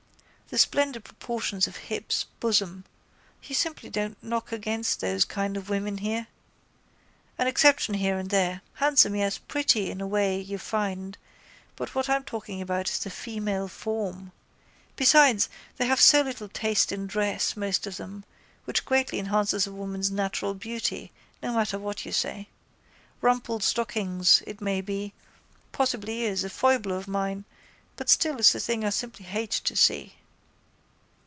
The splendid proportions of hips, bosom. You simply don't knock against those kind of women here. An exception here and there. Handsome yes, pretty in a way you find but what I'm talking about is the female form. Besides they have so little taste in dress, most of them, which greatly enhances a woman's natural beauty, no matter what you say. Rumpled stockings, it may be, possibly is, a foible of mine but still it's a thing I simply hate to see.